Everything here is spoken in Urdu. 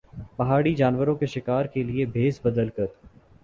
پہاڑی جانوروں کے شکار کے لئے بھیس بدل کر